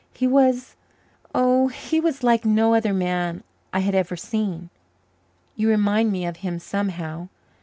He was oh, he was like no other man I had ever seen. You remind me of him somehow.